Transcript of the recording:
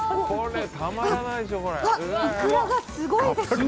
イクラがすごいです。